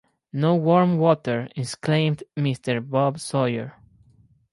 ‘No warm water!’ exclaimed Mr. Bob Sawyer.